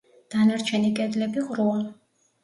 დანარჩენი კედლები ყრუა.